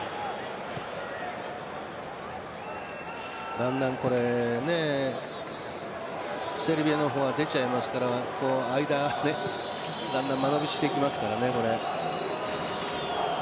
だんだんセルビアの方は出ちゃいますから間、間延びしていきますからね。